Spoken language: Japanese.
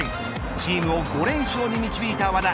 チームを５連勝に導いた和田。